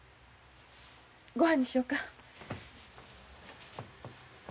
ごはんにしようか。